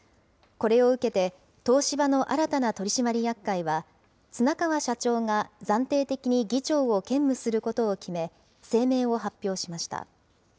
これを受けて、東芝の新たな取締役会は、綱川社長が暫定的に議長を兼務することを決め、声明を発表しました。